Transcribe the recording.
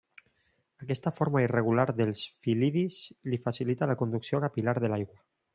Aquesta forma irregular dels fil·lidis li facilita la conducció capil·lar de l'aigua.